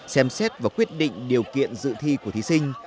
xem xét và quyết định điều kiện dự thi của thí sinh